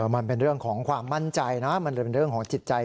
มันเป็นเรื่องของความมั่นใจนะมันเป็นเรื่องของจิตใจ